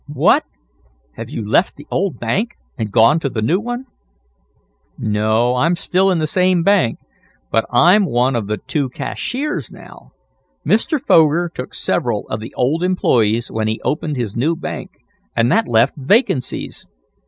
"What? Have you left the old bank, and gone to the new one?" "No, I'm still in the same bank, but I'm one of the two cashiers now. Mr. Foger took several of the old employees when he opened his new bank, and that left vacancies.